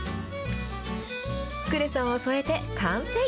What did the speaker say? クレソンを添えて完成。